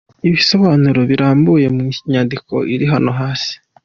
Ibisobanuro birambuye mu nyandiko iri hano hasi: